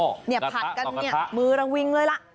เนี่ยผัดกันเนี่ยมื้อลงวิ่งเลยล่ะ